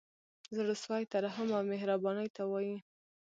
زړه سوی ترحم او مهربانۍ ته وايي.